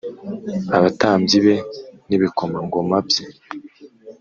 Abatambyi be n ibikomangoma bye